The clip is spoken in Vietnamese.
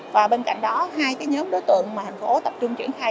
và bên cạnh đó hai cái nhóm đối tượng mà thành phố tập trung triển khai